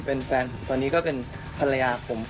เป็นแฟนผมตอนนี้ก็เป็นภรรยาผม